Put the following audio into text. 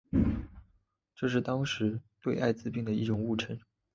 这是当时对艾滋病的一种误称。